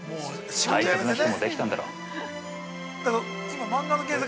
大切な人もできたんだろう？◆ルキ。